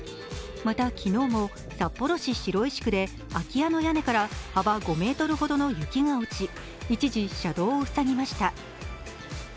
また昨日も札幌市白石区で空き家の屋根から幅５ｍほどの雪が落ち、一時、車道を塞ぎました。